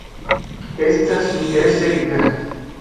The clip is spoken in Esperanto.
Estas interese rigardi.